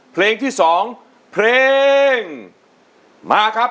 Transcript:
เพลงที่๒เพลงมาครับ